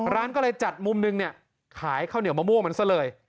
ร้านก็เลยจัดมุมนึงเนี่ยขายข้าวเหนียวมะม่วงมันซะเลย